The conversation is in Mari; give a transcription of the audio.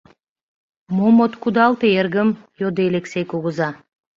— Мом от кудалте, эргым? — йодо Элексей кугыза.